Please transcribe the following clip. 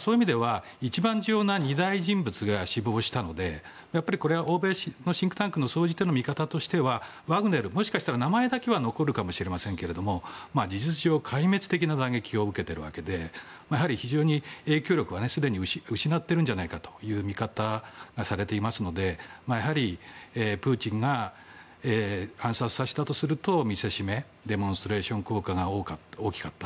そういう意味では一番重要な二大人物が死亡したので欧米のシンクタンクの総じての見方としてはワグネルにもしかしたら名前だけは残るかもしれませんが事実上壊滅的な打撃を受けているわけで非常に、影響力はすでに失ってるんじゃないかという見方がされていますのでやはりプーチンが暗殺させたとすると見せしめデモンストレーション効果が大きかった。